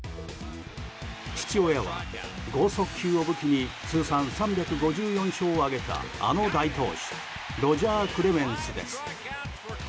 父親は剛速球を武器に通算３５４勝を挙げたあの大投手ロジャー・クレメンスです。